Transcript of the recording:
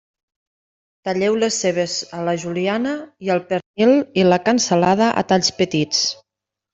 Talleu les cebes a la juliana i el pernil i la cansalada a talls petits.